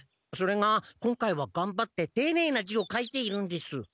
それが今回はがんばってていねいな字を書いているんです。